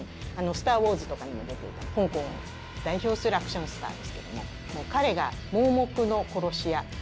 「スター・ウォーズ」とかにも出ている香港を代表するアクションスターですけども彼が盲目の殺し屋。